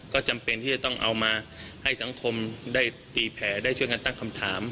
ก็จำเป็นที่จะต้องเอามาให้สังคมได้ตีแผลได้ช่วยกันตั้งคำถาม